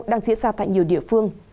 đang diễn ra tại nhiều địa phương